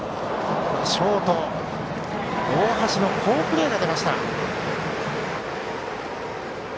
ショート、大橋の好プレーが出ました。